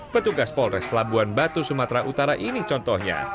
petugas polres labuan batu sumatera utara ini contohnya